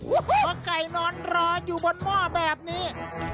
พอไก่นอนรออยู่บนหม้อแบบนี้